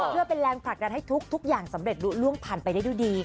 เพื่อเป็นแรงผลักดันให้ทุกอย่างสำเร็จล่วงผ่านไปได้ด้วยดี